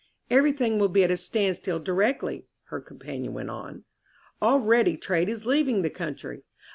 "Everything will be at a standstill directly," her companion went on. "Already trade is leaving the country.